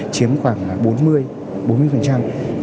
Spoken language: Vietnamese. chiếm khoảng bốn mươi